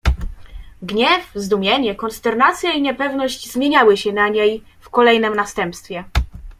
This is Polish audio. "Gniew, zdumienie, konsternacja i niepewność zmieniały się na niej w kolejnem następstwie."